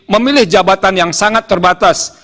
memilih jabatan yang sangat terbatas